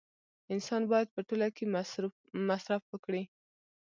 انسان باید په ټوله کې مصرف وکړي